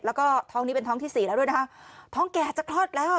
แล้วก็ท้องนี้เป็นท้องที่สี่แล้วด้วยนะคะท้องแก่จะคลอดแล้วอ่ะ